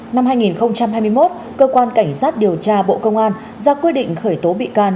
năm hai nghìn hai mươi một cơ quan cảnh sát điều tra bộ công an ra quy định khởi tố bị can